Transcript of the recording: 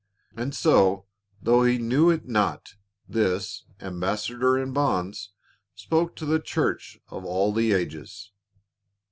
And so, though he knew it not, this "ambassador in bonds" spoke to the church of all the ages.